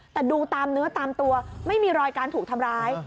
แต่ดูตามเนื้อตามตัวไม่มีรอยการถูกทำร้าย